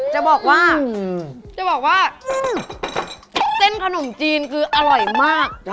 จะบอกว่าเส้นขนมจินคืออร่อยมาก